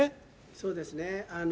そうですね。